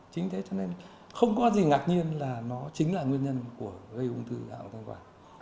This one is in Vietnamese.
chính thế cho nên không có gì ngạc nhiên là nó chính là nguyên nhân của gây ung thư hạ ung thanh quản